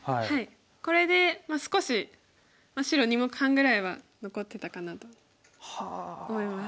これで少し白２目半ぐらいは残ってたかなと思います。